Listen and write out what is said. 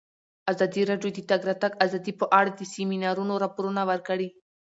ازادي راډیو د د تګ راتګ ازادي په اړه د سیمینارونو راپورونه ورکړي.